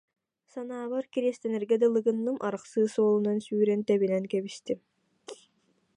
Санаабар, кириэстэнэргэ дылы гынным, арахсыы суолунан сүүрэн тэбинэн кэбистим